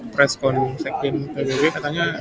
presscon sekin pbb katanya